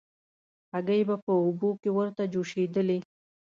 هګۍ به په اوبو کې ورته جوشېدلې.